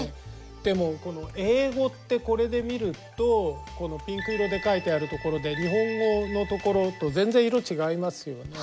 でも英語ってこれで見るとこのピンク色で書いてあるところで日本語のところと全然色違いますよね。